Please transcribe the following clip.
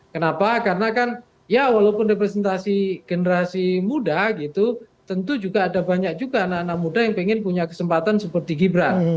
kenapa karena kan ya walaupun representasi generasi muda gitu tentu juga ada banyak juga anak anak muda yang pengen punya kesempatan seperti gibran